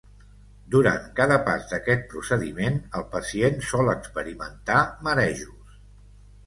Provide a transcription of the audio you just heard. Durant cada pas d'aquest procediment el pacient sol experimentar marejos.